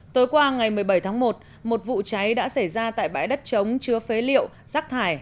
tối qua ngày một mươi bảy tháng một một vụ cháy đã xảy ra tại bãi đất trống chứa phế liệu rác thải